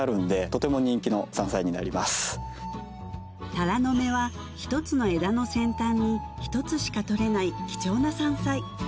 タラの芽は１つの枝の先端に１つしかとれない貴重な山菜